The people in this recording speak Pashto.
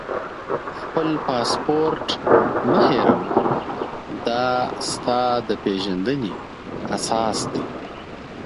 خپل پاسپورټ مه هېروه، دا ستا د پېژندنې اساس دی.